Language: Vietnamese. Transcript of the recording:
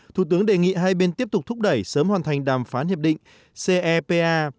thủ tướng đề nghị hai bên tiếp tục thúc đẩy sớm hoàn thành đàm phán hiệp định cepa